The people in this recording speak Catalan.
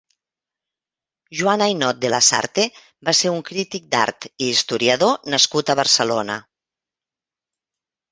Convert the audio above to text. Joan Ainaud de Lasarte va ser un crític d'art i historiador nascut a Barcelona.